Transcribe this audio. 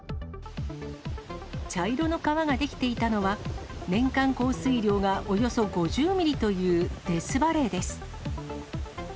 茶色の川が出来ていたのは、年間降水量がおよそ５０ミリというデスバレーです。